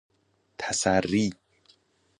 تسری